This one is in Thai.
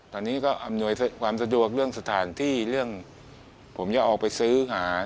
ตอนนี้ก็อำนวยความสะดวกเรื่องสถานที่เรื่องผมจะออกไปซื้อหา